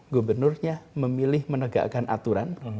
gubernurnya memilih menegakkan aturan